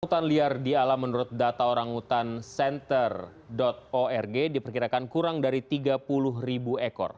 orangutan liar di alam menurut data orangutancenter org diperkirakan kurang dari tiga puluh ekor